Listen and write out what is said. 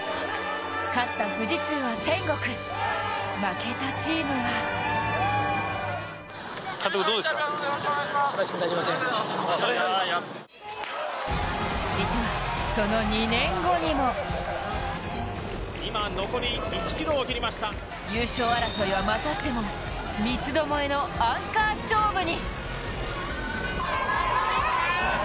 勝った富士通は天国、負けたチームは実はその２年後にも優勝争いはまたしても三つどもえのアンカー勝負に。